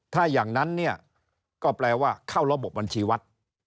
ถ้าอย่างนั้นเนี่ยก็แปลว่าเข้าระบบบัญชีวัด